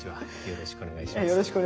よろしくお願いします。